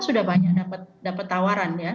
sudah banyak dapat tawaran ya